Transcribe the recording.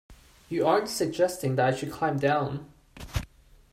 You aren't suggesting that I should climb down?